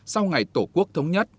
sau ngày tổ quốc thống nhất